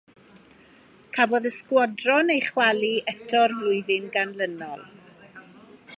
Cafodd y sgwadron ei chwalu eto'r flwyddyn ganlynol.